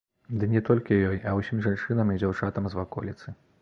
Ды не толькі ёй, а ўсім жанчынам і дзяўчатам з ваколіцы.